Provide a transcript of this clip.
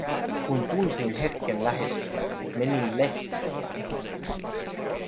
Kun tunsin hetken lähestyvän, menin lehtoon.